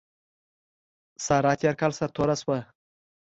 سارا تېر کال سر توره شوه.